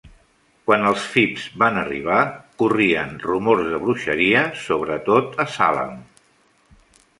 Quan els Phips van arribar, corrien rumors de bruixeria, sobretot a Salem.